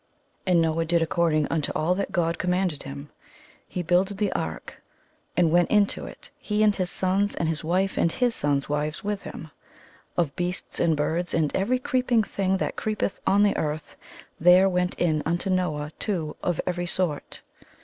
'* And Noah did according unto all that God commanded him. He builded the ark and went 295 MY BOOK HOUSE into it, he and his sons and his wife and his sons' wives with him. Of beasts and birds and every creeping thing that creepeth on the earth, there went in unto Noah two of every sort.